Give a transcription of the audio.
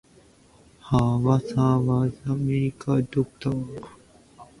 Her father was a medical doctor.